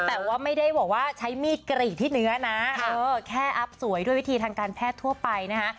แต่ว่าไม่ได้บอกว่าใช้มีดกรีดที่เนื้อนะแค่อัพสวยด้วยวิธีทางการแพทย์ทั่วไปนะคะ